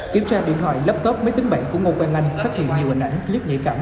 kiểm tra điện thoại laptop máy tính bảnh của ngô quang anh phát hiện nhiều hình ảnh clip nhạy cảm